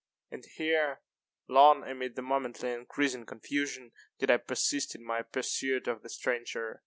And here, long, amid the momently increasing confusion, did I persist in my pursuit of the stranger.